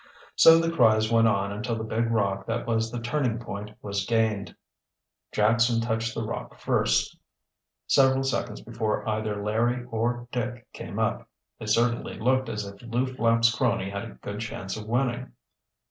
So the cries went on until the big rock that was the turning point was gained. Jackson touched the rock first, several seconds before either Larry or Dick came up. It certainly looked as if Lew Flapp's crony had a good chance of winning.